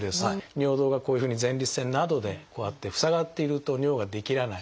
尿道がこういうふうに前立腺などでこうやって塞がっていると尿が出きらない。